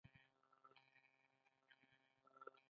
د فونټ اندازه مې لوړه کړه.